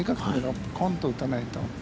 コンと打たないと。